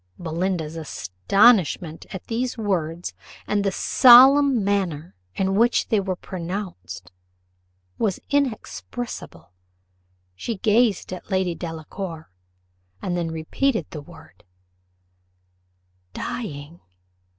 Belinda's astonishment at these words, and at the solemn manner in which they were pronounced, was inexpressible; she gazed at Lady Delacour, and then repeated the word, 'dying!